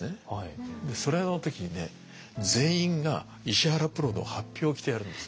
でそれの時にね全員が石原プロのハッピを着てやるんです。